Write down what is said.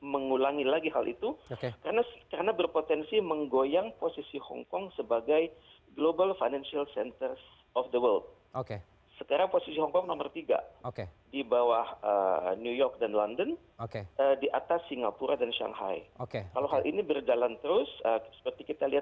bagaimana kemudian kita bisa memastikan bahwa kemudian apa yang ingin diupayakan oleh pihak pihak yang saat ini melakukan aspirasi mereka